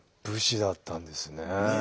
武士だったんですね。